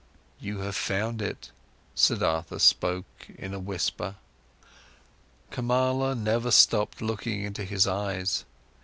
"You have found it," Siddhartha spoke in a whisper. Kamala never stopped looking into his eyes.